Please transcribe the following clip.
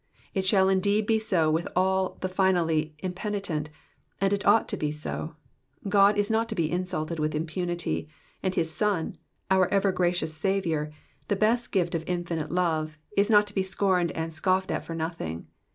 It shall indeed be so with all the finally impenitent, and it ought to be so. God is not to be insulted with impunity, and his Son, our ever gracious Saviour, the best gift of infinite love, is not to be scorned and scoffed at for nothing.